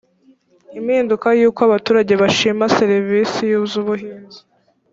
impinduka y uko abaturage bashima ser isi z ubuhinzi